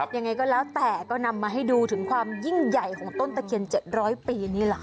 ยังไงก็แล้วแต่ก็นำมาให้ดูถึงความยิ่งใหญ่ของต้นตะเคียน๗๐๐ปีนี่แหละค่ะ